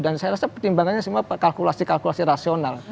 dan saya rasa pertimbangannya semua kalkulasi kalkulasi rasional